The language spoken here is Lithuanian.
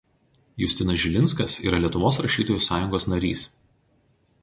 Justinas Žilinskas yra Lietuvos rašytojų sąjungos narys.